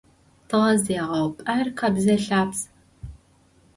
Тыгъэзегъэупӏэр къэбзэ-лъабз.